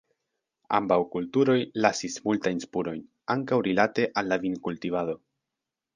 Ambaŭ kulturoj lasis multajn spurojn, ankaŭ rilate al la vinkultivado.